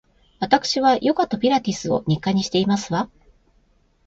わたくしはヨガとピラティスを日課にしていますわ